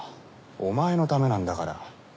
お前のためなんだから。